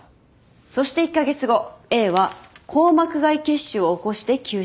そして１カ月後Ａは硬膜外血腫を起こして急死。